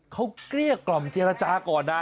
เขาเกลี้ยกล่อมเจรจาก่อนนะ